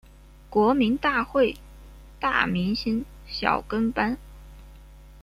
国民大会大明星小跟班